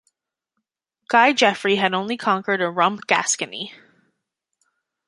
Guy Geoffrey had only conquered a rump Gascony.